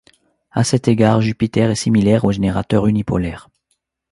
À cet égard, Jupiter est similaire au générateur unipolaire.